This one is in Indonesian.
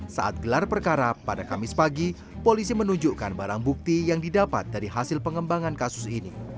saat gelar perkara pada kamis pagi polisi menunjukkan barang bukti yang didapat dari hasil pengembangan kasus ini